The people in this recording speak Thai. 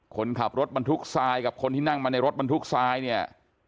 คนขับรถบรรทุกทรายกับคนที่นั่งมาในรถบรรทุกทรายเนี่ย